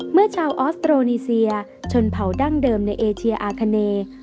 เมื่อชาวออสโตนีเซียชนเผาดั้งเดิมในเอเชียอาคาเน